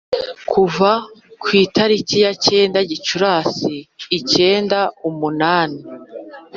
kuva ku itariki ya icyenda Gicurasi icyenda umunani,